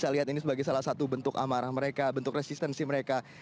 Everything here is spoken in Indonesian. saya lihat ini sebagai salah satu bentuk amarah mereka bentuk resistensi mereka